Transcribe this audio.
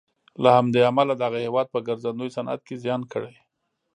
له همدې امله دغه هېواد په ګرځندوی صنعت کې زیان کړی.